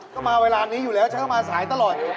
ก็มาเวลานี้อยู่แล้วฉันก็มาสายตลอด